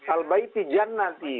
al baity jan nanti